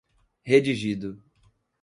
redigido